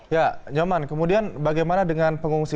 ya nyoman kemudian bagaimana dengan pengungsi